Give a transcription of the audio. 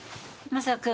マサ君。